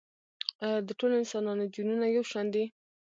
ایا د ټولو انسانانو جینونه یو شان دي؟